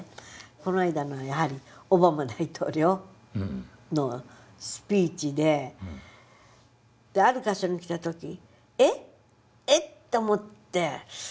この間のオバマ大統領のスピーチである箇所にきた時「えっ⁉」と思って。